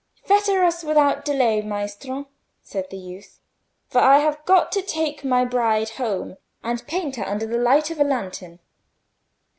"Fetter us without delay, Maestro!" said the youth, "for I have got to take my bride home and paint her under the light of a lantern."